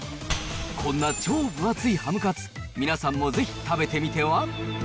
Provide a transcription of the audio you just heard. こんな超分厚いハムカツ、皆さんもぜひ食べてみては？